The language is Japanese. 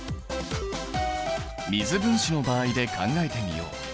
水分子の場合で考えてみよう。